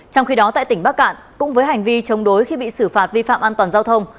trong khi đó tại tỉnh bắc cạn cũng với hành vi chống đối khi bị xử phạt vi phạm an toàn giao thông